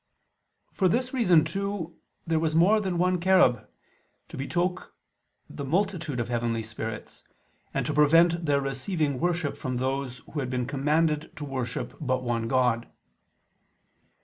For this reason, too, there was more than one cherub, to betoken the multitude of heavenly spirits, and to prevent their receiving worship from those who had been commanded to worship but one God.